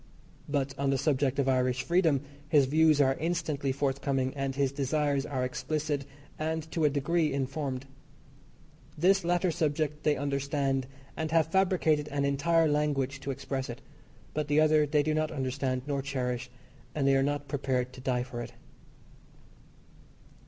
But on the subject of Irish freedom his views are instantly forthcoming, and his desires are explicit, and, to a degree, informed. This latter subject they understand and have fabricated an entire language to express it, but the other they do not understand nor cherish, and they are not prepared to die for it.